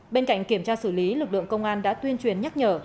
bên cạnh kiểm tra xử lý lực lượng công an đã tuyên truyền nhắc nhở